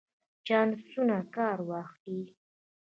چانسونو کار واخلئ.